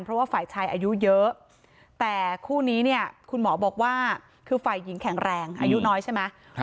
เพราะว่าฝ่ายชายอายุเยอะแต่คู่นี้เนี่ยคุณหมอบอกว่าคือฝ่ายหญิงแข็งแรงอายุน้อยใช่ไหม